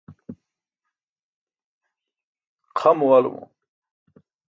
xa muwalumo